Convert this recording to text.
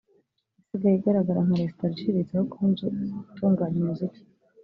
isigaye igaragara nka resitora iciriritse aho kuba inzu itunganya umuziki